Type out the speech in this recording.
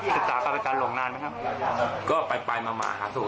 ศึกษากับอาจารย์หลงนานไหมครับ